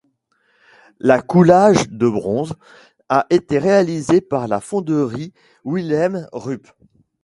La coulage de bronze a été réalisé par la fonderie Wilhelm Rupp.